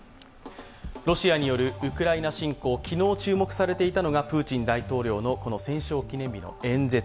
ロシアによるウクライナ侵攻、昨日注目されていたのがプーチン大統領の戦勝記念日の演説。